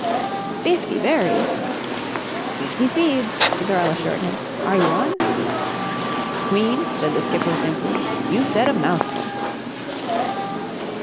"Fifty berries!" "Fifty seeds!" the girl assured him. "Are you on?" "Queen," said the skipper simply, "you said a mouthful!"